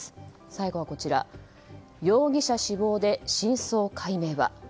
最後は容疑者死亡で真相解明は。